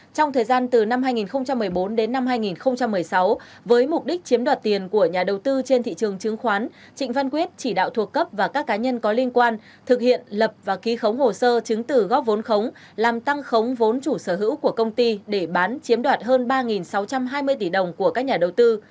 trong thời gian từ năm hai nghìn một mươi bốn đến năm hai nghìn một mươi sáu với mục đích chiếm đoạt tiền của nhà đầu tư trên thị trường chứng khoán trịnh văn quyết chỉ đạo thuộc cấp và các cá nhân có liên quan thực hiện lập và ký khống hồ sơ chứng tử góp vốn khống làm tăng khống vốn chủ sở hữu của công ty để bán chiếm đoạt hơn ba sáu trăm hai mươi tỷ đồng của các nhà đầu tư